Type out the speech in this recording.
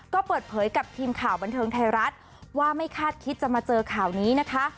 ก็เปิดเผยกับทีมข่าวบันเทิงไทยรัฐว่าไม่คาดคิดจะมาเจอข่าวนี้นะคะ